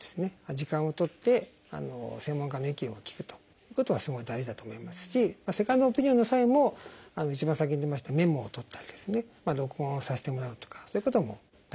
時間を取って専門家の意見を聞くということはすごい大事だと思いますしセカンドオピニオンの際も一番先に出ましたメモを取ったり録音をさせてもらうとかそういうことも大事かと思いますね。